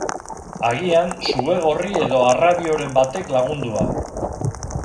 Agian, sugegorri edo arrabioren batek lagundua.